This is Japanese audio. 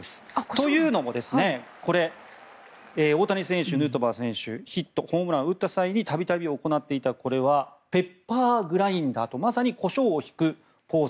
というのも大谷選手、ヌートバー選手ヒット、ホームランを打った際に度々行っていた、これはペッパーグラインダーとまさにコショウをひくポーズ。